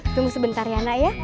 tunggu sebentar ya nak ya